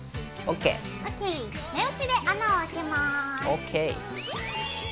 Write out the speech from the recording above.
目打ちで穴を開けます。